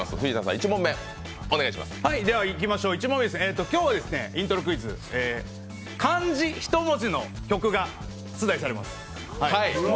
１問目、今日はイントロクイズ、漢字一文字の曲が出題されます。